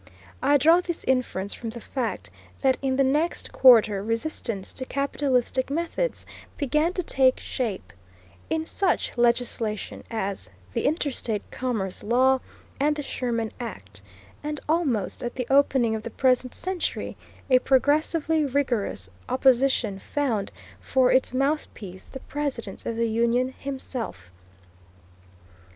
I draw this inference from the fact that in the next quarter resistance to capitalistic methods began to take shape in such legislation as the Interstate Commerce Law and the Sherman Act, and almost at the opening of the present century a progressively rigorous opposition found for its mouthpiece the President of the Union himself.